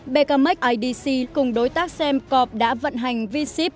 becamec idc cùng đối tác semcorp đã vận hành v sip